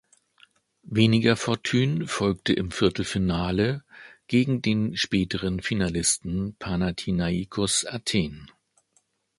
Weniger Fortune folgte im Viertelfinale gegen den späteren Finalisten Panathinaikos Athen.